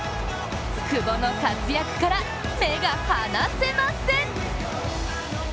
久保の活躍から目が離せません。